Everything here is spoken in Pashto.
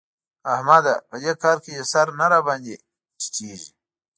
احمده! په دې کار کې دي سر نه راباندې ټيټېږي.